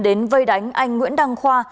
đến vây đánh anh nguyễn đăng khoa